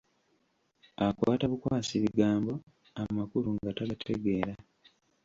Akwata bukwasi bigambo, amakulu nga tagategeera.